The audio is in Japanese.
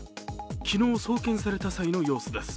昨日、送検された際の様子です。